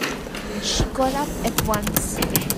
She got up at once.